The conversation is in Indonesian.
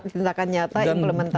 tindakan nyata implementasi